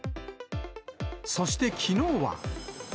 そしてきのうは。